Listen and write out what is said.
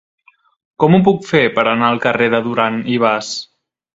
Com ho puc fer per anar al carrer de Duran i Bas?